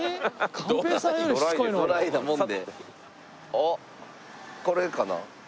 あっこれかな？